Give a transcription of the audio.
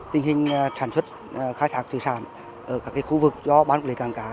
tình hình sản xuất khai thác thử sản ở các khu vực do bán quản lý càng cá